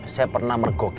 saya pernah mergok